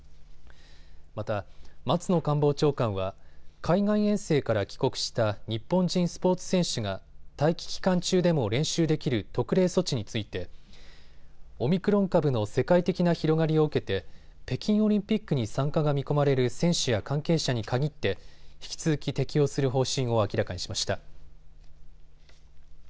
また、松野官房長官は海外遠征から帰国した日本人スポーツ選手が待機期間中でも練習できる特例措置についてオミクロン株の世界的な広がりを受けて北京オリンピックに参加が見込まれる選手や関係者に限って引き続き適用する方針を明らかにしました。